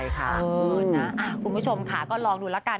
อยู่ลูกค้าก็ลองดูสักก่อน